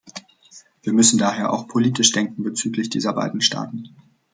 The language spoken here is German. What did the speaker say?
Wir müssen daher auch politisch denken bezüglich dieser beiden Staaten.